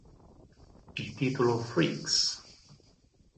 Il titolo "Freaks!